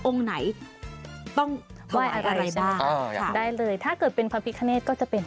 องค์ไหนต้องว่าอะไรบ้างอ่าได้เลยถ้าเกิดเป็นพรรพิคเนสก็จะเป็น